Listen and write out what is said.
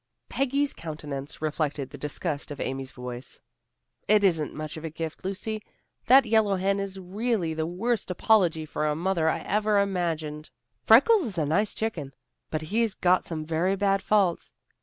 Peggy's countenance reflected the disgust of Amy's voice. "It isn't much of a gift, Lucy. That yellow hen is really the worst apology for a mother I ever imagined. Freckles is a nice chicken, but he's got some very bad faults.